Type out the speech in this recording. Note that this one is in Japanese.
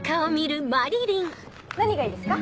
何がいいですか？